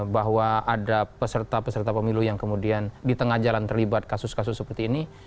bahwa ada peserta peserta pemilu yang kemudian di tengah jalan terlibat kasus kasus seperti ini